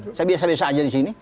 saya biasa biasa aja di sini